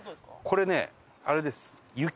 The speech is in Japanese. これねあれです雪！